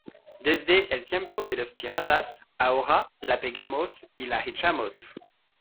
desde el tiempo de los piratas. ahora la pegamos y la echamos